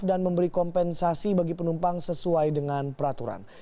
dan memberi kompensasi bagi penumpang sesuai dengan peraturan